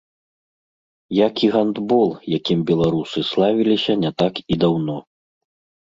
Як і гандбол, якім беларусы славіліся не так і даўно.